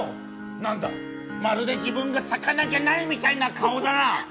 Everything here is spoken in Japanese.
なんだ、まるで自分が魚じゃないみたいな顔だな！